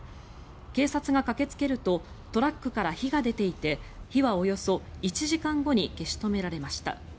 警察が駆けつけるとトラックから火が出ていて火はおよそ１時間後に消し止められました。